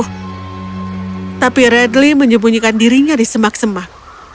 tidak tapi redly menyembunyikan dirinya di semak semak